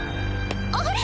あれ？